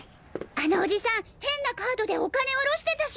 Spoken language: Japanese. あのおじさん変なカードでお金おろしてたし。